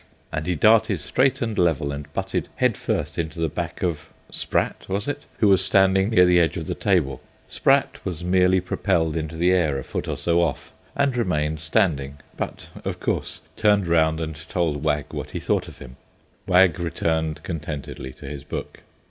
And he darted straight and level and butted head first into the back of Sprat, was it? who was standing near the edge of the table. Sprat was merely propelled into the air a foot or two off, and remained standing, but, of course, turned round and told Wag what he thought of him. Wag returned contentedly to his book.